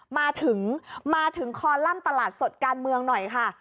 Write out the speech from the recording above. มาถึงมาถึงคอลัมป์ตลาดสดการเมืองหน่อยค่ะ